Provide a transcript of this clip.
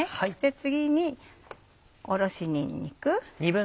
次におろしにんにく。